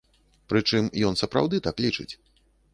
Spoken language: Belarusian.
Прычым, ён сапраўды так лічыць.